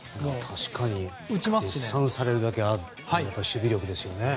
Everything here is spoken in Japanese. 確かに絶賛されるだけの守備力ですよね。